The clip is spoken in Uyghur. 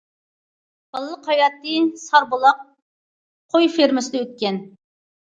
بالىلىق ھاياتى ساربۇلاق قوي فېرمىسىدا ئۆتكەن.